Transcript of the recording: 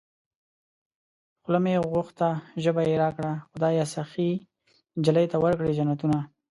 خوله مې غوښته ژبه يې راکړه خدايه سخي نجلۍ ته ورکړې جنتونه